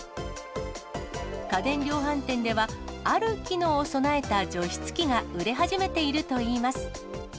家電量販店では、ある機能を備えた除湿器が売れ始めているといいます。